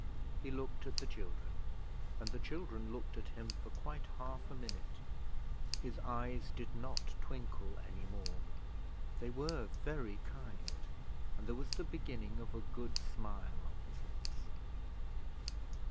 He looked at the children, and the children looked at him for quite half a minute. His eyes did not twinkle any more. They were very kind, and there was the beginning of a good smile on his lips.